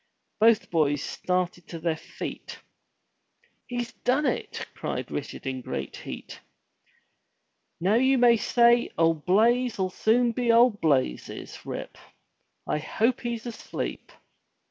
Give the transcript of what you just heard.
Both boys started to their feet. "He's done it!*' cried Richard in great heat. "Now you may say old Blaize'll soon be old Blazes, Rip. I hope he's asleep.